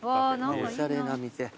おしゃれな店。